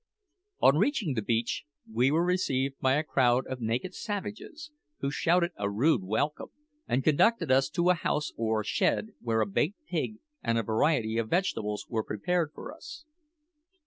On reaching the beach we were received by a crowd of naked savages, who shouted a rude welcome, and conducted us to a house or shed where a baked pig and a variety of vegetables were prepared for us.